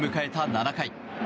７回。